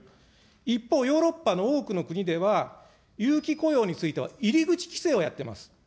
一方、ヨーロッパの多くの国では、有期雇用については入り口規制をやっています。